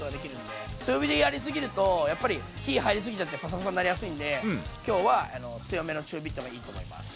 強火でやりすぎるとやっぱり火入りすぎちゃってパサパサになりやすいんで今日は強めの中火がいいと思います。